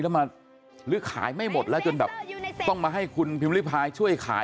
แล้วมาหรือขายไม่หมดแล้วจนแบบต้องมาให้คุณพิมพ์ริพายช่วยขาย